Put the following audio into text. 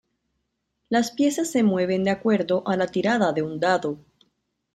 Las piezas se mueven de acuerdo a la tirada de un dado.